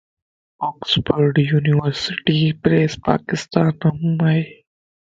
اوڪسفورڊ يونيورسٽي پريس پاڪستان مَ ائي.